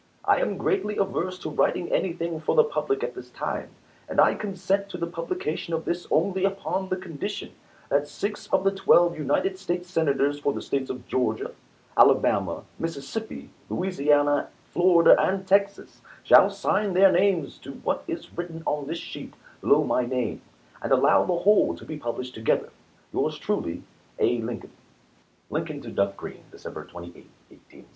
I am greatly averse to writing anything for the public at this time ; and I consent to the publication of this only upon the condition that six of the twelve United States Senators for the States of Georgia, Alabama, Mississippi, Louisiana, Florida, and Texas shall sign their names to what is writ ten on this sheet below my name, and allow the whole to be published together. A. Lincoln.